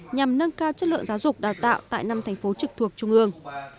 nhằm nâng cao chất lượng giáo dục đào tạo tại năm thành phố trực thuộc trung ương